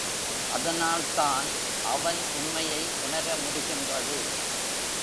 அதனால் தான் அவன் உண்மையை உணர முடிகின்றது.